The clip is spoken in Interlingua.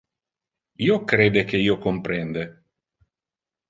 Io crede que io comprende.